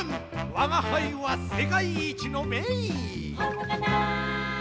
わがはいはせかいいちのめいいほんとかな？